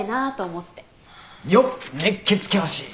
よっ熱血教師！